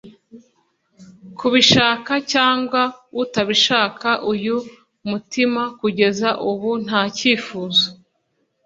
Kubishaka cyangwa utabishaka uyu mutima kugeza ubu nta cyifuzo